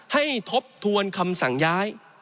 ทบทวนคำสั่งย้าย